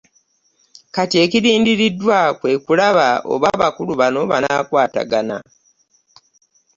Kati ekirindiriddwa kwe kulaba oba abakulu bano banaakwatagana